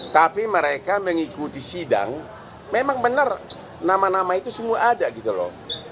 tapi mereka mengikuti sidang memang benar nama nama itu semua ada gitu loh